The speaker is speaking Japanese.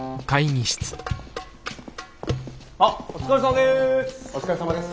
あっお疲れさまです！